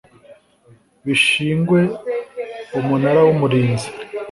bishingwe Umunara w Umurinzi